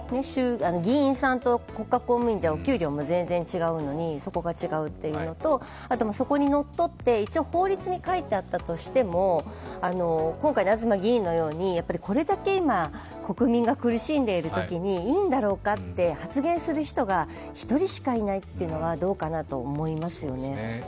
議員さんと国家公務員じゃお給料が全然違うのにそこが違うというのとそこにのっとって、一応法律に書いてあったとしても、今回の東議員のようにこれだけ今、国民が苦しんでいるときにいいんだろうかって発言する人が１人しかいないというのはどうかなと思いますよね。